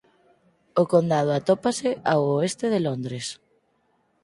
O condado atópase ao oeste de Londres.